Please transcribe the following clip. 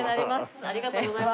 ありがとうございます。